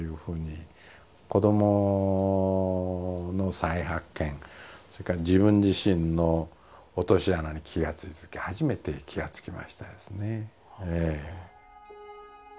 子どもの再発見それから自分自身の落とし穴に気が付いたとき初めて気が付きましたですね。